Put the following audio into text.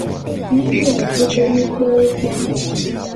Mi do ngku be mi kpo wo kpo.